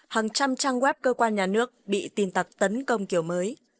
hàng trăm trang web cơ quan nhà nước bị tin tặc tấn công kiểu mới